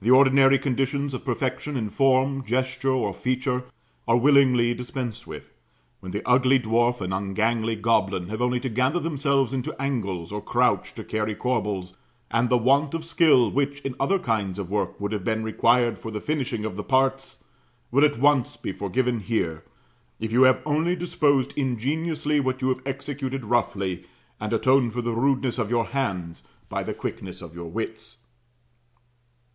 The ordinary conditions of perfection in form, gesture, or feature, are willingly dispensed with, when the ugly dwarf and ungainly goblin have only to gather themselves into angles, or crouch to carry corbels; and the want of skill which, in other kinds of work would have been required for the finishing of the parts, will at once be forgiven here, if you have only disposed ingeniously what you have executed roughly, and atoned for the rudeness of your hands by the quickness of your wits.